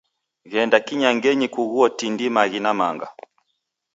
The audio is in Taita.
Ghenda kinyangenyi kughuo tindi, maghi na manga